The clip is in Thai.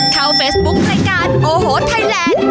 เข้าเฟซบุ๊ครายการโอโหไทยแลนด์